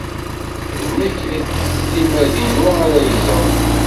D nekk s timmad-inu ara yeẓren.